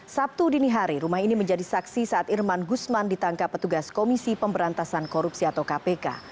sabtu dini hari rumah ini menjadi saksi saat irman gusman ditangkap petugas komisi pemberantasan korupsi atau kpk